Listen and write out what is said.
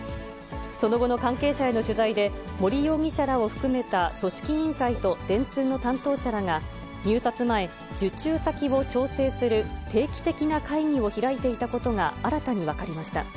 その後の関係者への取材で、森容疑者らを含めた組織委員会と電通の担当者らが入札前、受注先を調整する定期的な会議を開いていたことが、新たに分かりました。